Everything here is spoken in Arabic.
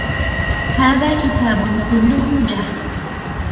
هذا كتاب كله جهل